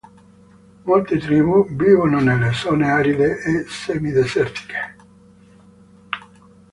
Molte tribù vivono nelle zone aride e semidesertiche.